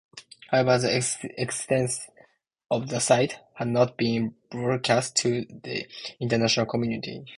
However, the existence of the site had not been broadcast to the international community.